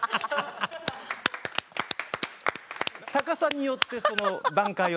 高さによってその段階を。